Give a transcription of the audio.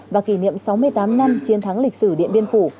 và kỷ niệm sáu mươi tám năm chiến thắng lịch sử điện biên phủ